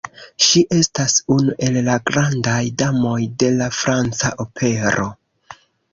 Ŝi estas unu el la grandaj damoj de la franca opero.